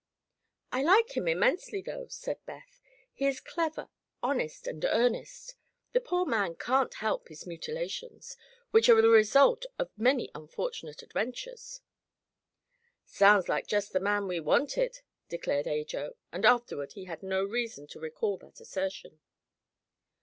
"I like him immensely, though," said Beth. "He is clever, honest and earnest. The poor man can't help his mutilations, which are the result of many unfortunate adventures." "Sounds like just the man we wanted," declared Ajo, and afterward he had no reason to recall that assertion.